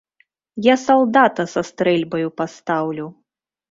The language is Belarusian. Я салдата са стрэльбаю пастаўлю!